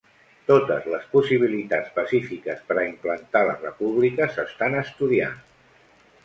Totes les possibilitats pacífiques per a implantar la República s'estan estudiant